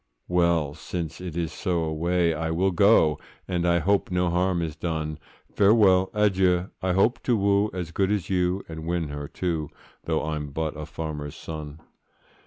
'Well! since it is so, away I will go,— And I hope no harm is done; Farewell, adieu!—I hope to woo As good as you,—and win her, too, Though I'm but a farmer's son.